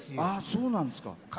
あそうなんですか。